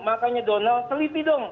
makanya donald selipi dong